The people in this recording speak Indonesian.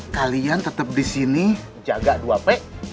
kalian tetap disini jaga dua p